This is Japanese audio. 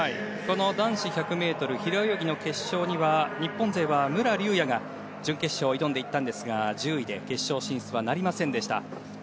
男子１００ｍ平泳ぎの決勝には日本勢は武良竜也が準決勝に挑んでいったんですが１０位で決勝進出はなりませんでした。